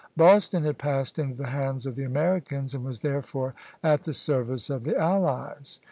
Boston had passed into the hands of the Americans, and was therefore at the service of the allies.